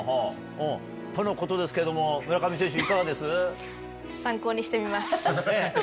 とのことですけども村上選手いかがです？